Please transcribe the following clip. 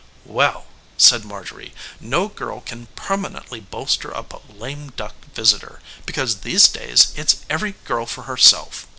"Well," said Marjorie, "no girl can permanently bolster up a lame duck visitor, because these days it's every girl for herself.